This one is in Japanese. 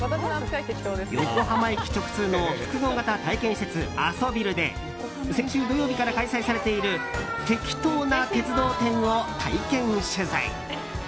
横浜駅直通の複合型体験施設アソビルで先週土曜日から開催されているてきとな鉄道展を体験取材。